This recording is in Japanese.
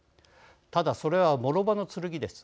ただ、それはもろ刃の剣です。